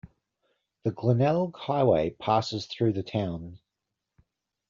The Glenelg Highway passes through the town.